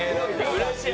うれしい！